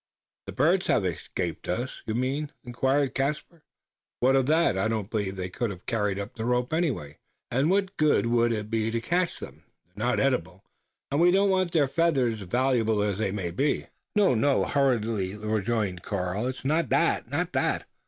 "The birds have escaped us, you mean?" inquired Caspar. "What of that? I don't believe they could have carried up the rope anyhow; and what good would it be to catch them? They're not eatable; and we don't want their feathers valuable as they may be." "No, no!" hurriedly rejoined Karl; "it is not that not that."